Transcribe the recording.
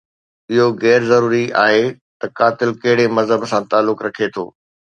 اهو غير ضروري آهي ته قاتل ڪهڙي مذهب سان تعلق رکي ٿو.